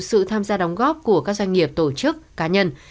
sự tham gia đóng góp của các doanh nghiệp tổ chức cá nhân